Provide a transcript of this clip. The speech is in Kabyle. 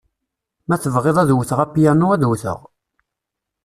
Ma tebɣiḍ ad d-wteɣ apyanu, ad d-wteɣ.